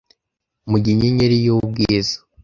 mugihe inyenyeri y'ubwiza